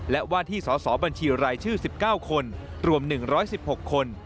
และว่าที่สสบัญชีรายชื่อ๑๙คนรวม๑๑๖คน